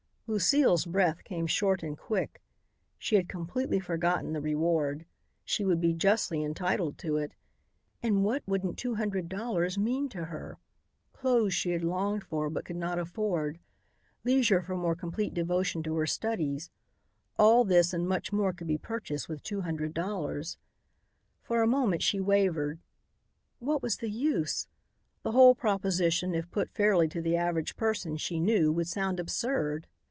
Lucile's breath came short and quick. She had completely forgotten the reward. She would be justly entitled to it. And what wouldn't two hundred dollars mean to her? Clothes she had longed for but could not afford; leisure for more complete devotion to her studies; all this and much more could be purchased with two hundred dollars. For a moment she wavered. What was the use? The whole proposition if put fairly to the average person, she knew, would sound absurd.